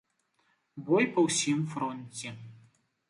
Бой па ўсім фронце.